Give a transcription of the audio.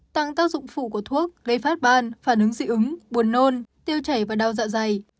tăng tác dụng phụ của thuốc gây phát ban phản ứng dị ứng buồn nôn tiêu chảy và đau dạ dày